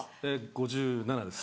５７です。